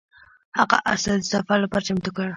هغه اس ته د سفر لپاره چمتو کړ.